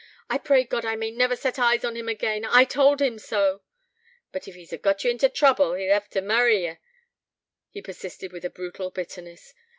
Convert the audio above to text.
I pray God I may never set eyes on him again. I told him so.' 'But ef he's got ye into trouble, he'll hev t' marry ye,' he persisted with a brutal bitterness.